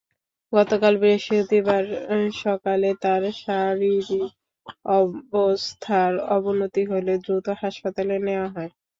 গতকাল বৃহস্পতিবার সকালে তাঁর শারীরিক অবস্থার অবনতি হলে দ্রুত হাসপাতালে নেওয়া হয়।